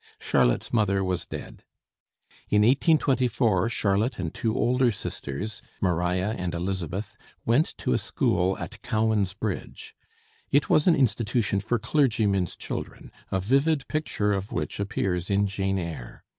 Charlotte's mother was dead. In 1824 Charlotte and two older sisters, Maria and Elizabeth, went to a school at Cowan's Bridge. It was an institution for clergymen's children, a vivid picture of which appears in 'Jane Eyre.'